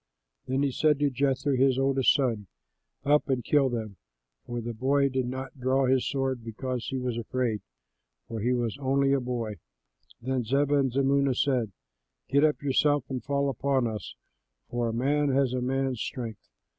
Then he said to Jether, his oldest son, "Up and kill them." But the boy did not draw his sword, because he was afraid, for he was only a boy. Then Zebah and Zalmunna said, "Get up yourself and fall upon us; for a man has a man's strength!"